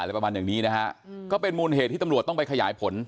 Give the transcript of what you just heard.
ประมาณอย่างนี้นะฮะก็เป็นมูลเหตุที่ตำรวจต้องไปขยายผล